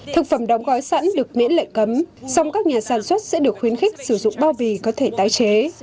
thực phẩm đóng gói sẵn được miễn lệnh cấm song các nhà sản xuất sẽ được khuyến khích sử dụng bao bì có thể tái chế